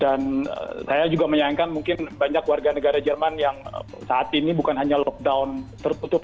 dan saya juga menyangka mungkin banyak warga negara jerman yang saat ini bukan hanya lockdown tertutup